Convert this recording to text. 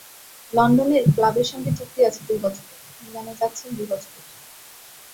লন্ডনের ক্লাবের সঙ্গে চুক্তি আছে দুই বছরের, মিলানে যাচ্ছেন দুই বছরের জন্য।